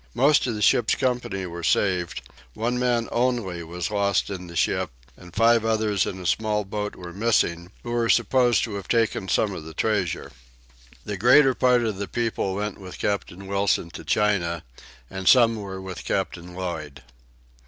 Most of the ship's company were saved: one man only was lost in the ship, and five others in a small boat were missing who were supposed to have taken some of the treasure. The greater part of the people went with Captain Wilson to China, and some were with Captain Lloyd.